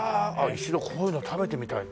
一度こういうの食べてみたい。